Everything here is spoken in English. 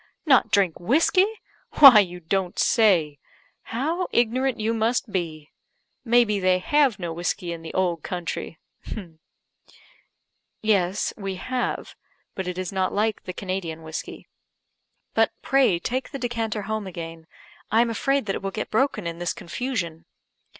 Not drink whiskey? Why, you don't say! How ignorant you must be! may be they have no whiskey in the old country?" "Yes, we have; but it is not like the Canadian whiskey. But, pray take the decanter home again I am afraid that it will get broken in this confusion."